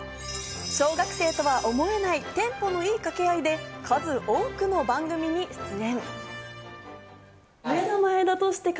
小学生とは思えないテンポの良い掛け合いで数多くの番組に出演。